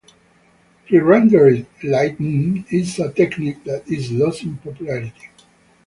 Pre-rendered lighting is a technique that is losing popularity.